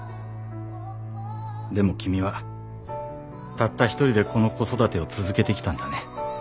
「でも君はたった一人でこの子育てを続けてきたんだね」